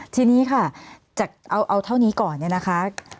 ทีนี้ค่ะจากเอาเท่านี้ก่อนเนี่ยนะคะ